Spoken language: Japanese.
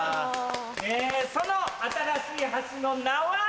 その新しい橋の名は？